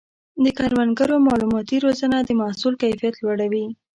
د کروندګرو مالوماتي روزنه د محصول کیفیت لوړوي.